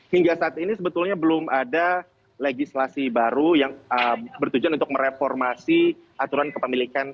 hingga saat ini sebetulnya belum ada legislasi baru yang bertujuan untuk mereformasi aturan kepemilikan